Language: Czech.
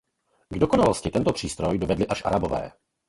K dokonalosti tento přístroj dovedli až Arabové.